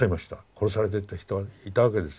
殺されてった人はいたわけです。